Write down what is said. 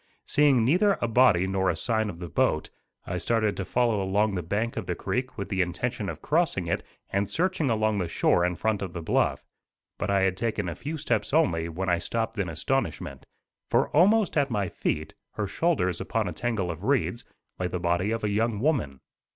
Seeing neither a body nor a sign of the boat, I started to follow along the bank of the creek with the intention of crossing it and searching along the shore in front of the bluff; but I had taken a few steps only when I stopped in astonishment, for almost at my feet, her shoulders upon a tangle of reeds, lay the body of a young woman.